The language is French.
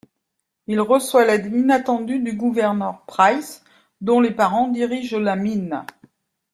Il reçoit l'aide inattendue du Gouverneur Pryce, dont les parents dirigent la mine.